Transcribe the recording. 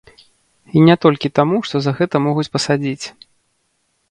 І не толькі таму, што за гэта могуць пасадзіць.